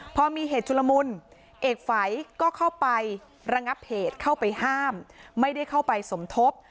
พอมีเหตุชุลมุนเอกฝัยก็เข้าไประงับเหตุเข้าไปห้ามไม่ได้เข้าไปสมทบ